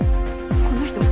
この人。